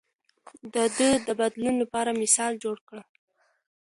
ده د بدلون لپاره مثال جوړ کړ.